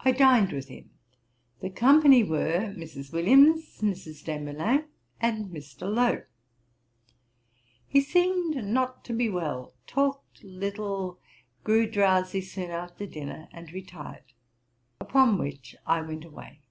I dined with him; the company were, Mrs. Williams, Mrs. Desmoulins, and Mr. Lowe. He seemed not to be well, talked little, grew drowsy soon after dinner, and retired, upon which I went away.